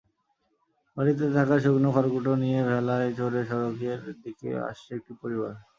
বাড়িতে থাকা শুকনো খড়কুটো নিয়ে ভেলায় চড়ে সড়কের দিকে আসছে একটি পরিবার।